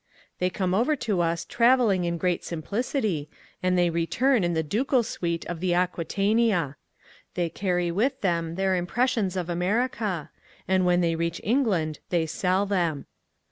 They come over to us travelling in great simplicity, and they return in the ducal suite of the Aquitania. They carry away with them their impressions of America, and when they reach England they sell them.